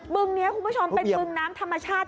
บึงนี้คุณผู้ชมเป็นบึงน้ำธรรมชาติ